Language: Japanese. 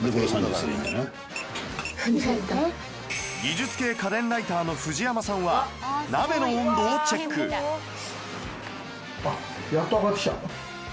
技術系家電ライターの藤山さんは鍋の温度をチェックあっやっと上がってきた。